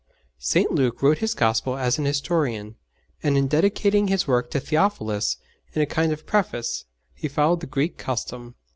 St. Luke wrote his Gospel as an historian, and in dedicating his work to Theophilus in a kind of preface, he followed the Greek custom.